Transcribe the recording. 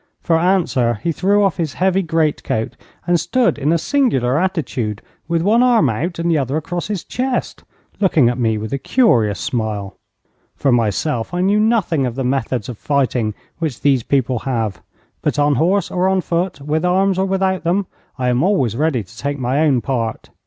For answer he threw off his heavy great coat, and stood in a singular attitude, with one arm out, and the other across his chest, looking at me with a curious smile. For myself, I knew nothing of the methods of fighting which these people have, but on horse or on foot, with arms or without them, I am always ready to take my own part.